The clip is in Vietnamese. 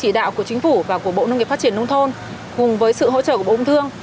với sự hỗ trợ của chính phủ và bộ nông nghiệp phát triển đông thôn cùng với sự hỗ trợ của bộ úng thương